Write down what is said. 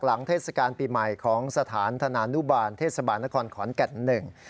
เทศกาลปีใหม่ของสถานธนานุบาลเทศบาลนครขอนแก่นหนึ่ง